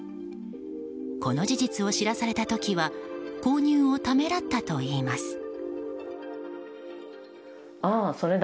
この事実を知らされた時は購入をためらったといいます。